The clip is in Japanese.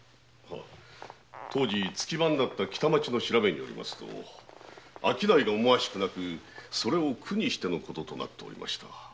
当時月番だった北町の調べによりますと商いが思わしくなくそれを苦にしてのこととなっておりました。